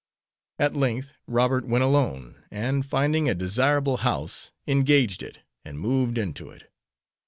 At length Robert went alone, and, finding a desirable house, engaged it, and moved into it.